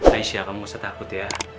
aisyah kamu gak usah takut ya